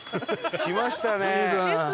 来ましたね。